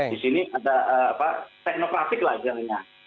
di sini ada teknoplasik lah jadinya